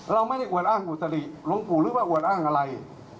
เราไม่ได้อวดอ้างอุตริหลวงปู่หรือว่าอวดอ้างอะไร